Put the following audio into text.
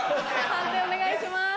判定お願いします。